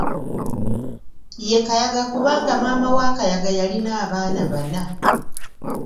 Ye Kayaga kubanga maama wa Kayaga yalina abaana bana.